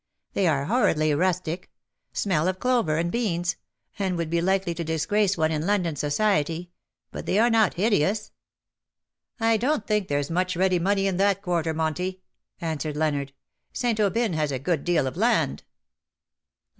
They are horridly rustic — smell of clover and beans, and would be likely to disgrace one in London society — but they are not hideous/^ " I don''t think there''s much ready money in that quarter, Monty ,^^ answered Leonard. " St. Aubyn has a good deal of land.